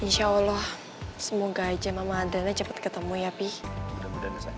insyaallah semoga aja mama adriana cepet ketemu ya pih mudah mudahan ya sayang